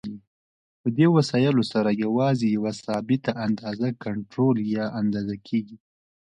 په دې وسایلو سره یوازې یوه ثابته اندازه کنټرول یا اندازه کېږي.